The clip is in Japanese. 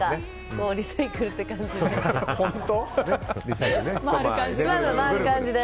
リサイクルって感じで。